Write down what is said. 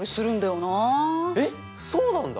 えっそうなんだ！